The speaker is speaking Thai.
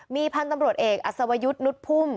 มีพันธุ์ตำรวจเอกอัศวยุทธ์นุษย์พุ่ม